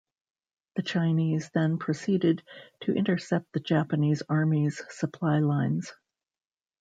The Chinese then proceeded to intercept the Japanese army's supply lines.